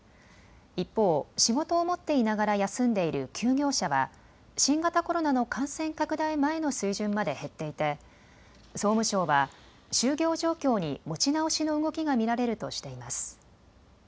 一方、仕事を持っていながら休んでいる休業者は新型コロナの感染拡大前の水準まで減っていて総務省は就業状況に持ち直しの動きが見られるとしています。